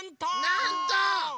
なんと！